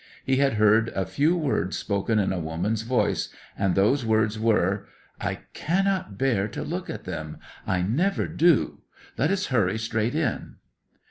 He had heard a few words spoken in a woman's voice, and those words were: "I cannot bear to look at them; I never do. Let us hurry straight in."